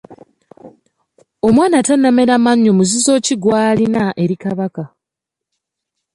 Omwana atannamera mannyo muzizo ki gw’alina eri Kabaka?